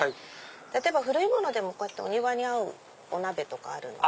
例えば古いものでもこうやってお庭に合うお鍋とかあるんで。